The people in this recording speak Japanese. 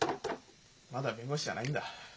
まだ弁護士じゃないんだ。